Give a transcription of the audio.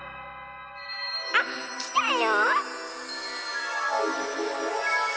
あっきたよ！